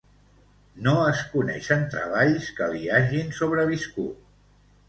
No es coneixen treballs que li hagin sobreviscut.